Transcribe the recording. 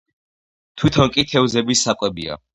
თვითონ კი თევზების საკვებია.